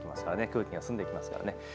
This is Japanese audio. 空気が澄んできますからね。